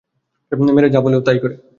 মেয়েরা যা বলে ও তাই করে।